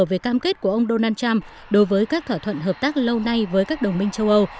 về cam kết của ông donald trump đối với các thỏa thuận hợp tác lâu nay với các đồng minh châu âu